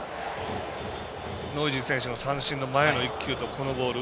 ノイジー選手の三振の前の１球とこのボール。